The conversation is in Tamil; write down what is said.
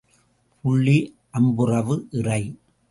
புள்ளி அம்புறவு இறை.